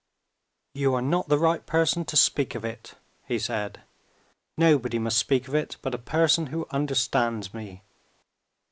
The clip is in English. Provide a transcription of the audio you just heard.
"You are not the right person to speak of it," he said. "Nobody must speak of it but a person who understands me.